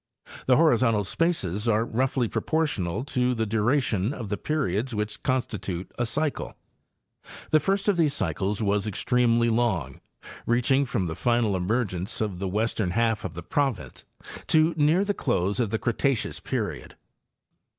The horizontal spaces are roughly proportional to the duration of the periods which constitute a cycle. The first of these cycles was extremely long, reaching from the final emergence of the western half of the province to near the close of the Cretaceous period.